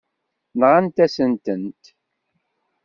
Nɣant-asent-tent.